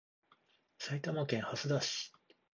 埼玉県蓮田市